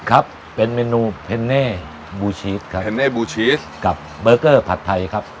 ครับเป็นเมนูเพนโน้เบิ้ลชีสครับปัดไทยครับ